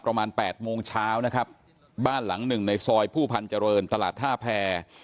ประมาณแปดโมงเช้านะครับบ้านหลังหนึ่งในซอยผู้พันธ์เจริญตลาดท่าแพร